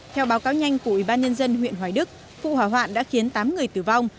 theo báo cáo nhanh của ủy ban nhân dân huyện hoài đức vụ hỏa hoạn đã khiến tám người tử vong